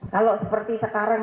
kalau seperti sekarang